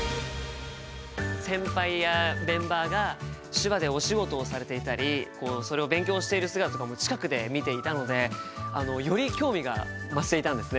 先輩やメンバーが手話でお仕事をされていたりそれを勉強している姿とかも近くで見ていたのでより興味が増していたんですね。